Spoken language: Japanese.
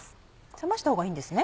冷ましたほうがいいんですね？